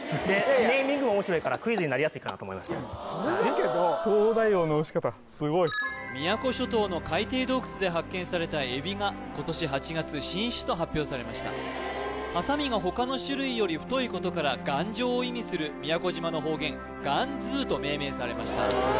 ネーミングもおもしろいからクイズになりやすいかなと思いました宮古諸島の海底洞窟で発見されたエビが今年８月新種と発表されましたハサミが他の種類より太いことから頑丈を意味する宮古島の方言ガンズゥーと命名されました